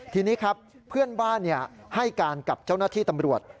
ทีนี้ครับเพื่อนบ้านให้การกับเจ้าหน้าที่ตำรวจ